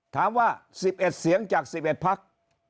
ถามว่า๑๑เสียงจาก๑๑พัก